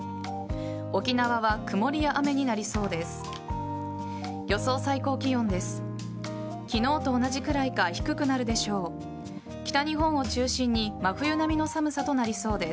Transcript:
沖縄は曇りや雨になりそうです。